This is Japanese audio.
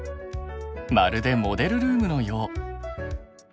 まるでモデルルームのよう！